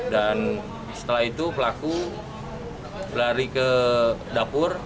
dan setelah itu pelaku lari ke dapur